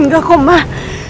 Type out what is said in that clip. nggak kok mah